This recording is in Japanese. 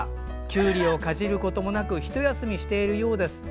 きゅうりをかじることもなく一休みしているようです。